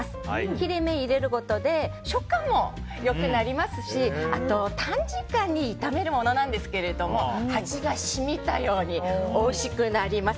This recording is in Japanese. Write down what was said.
切れ目を入れることで食感も良くなりますしあと、短時間に炒めるものなんですが味が染みたようにおいしくなります。